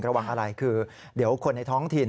ระวังอะไรคือเดี๋ยวคนในท้องถิ่น